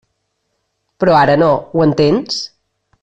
Però ara no, ho entens?